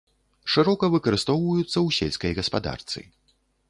Шырока выкарыстоўваюцца ў сельскай гаспадарцы.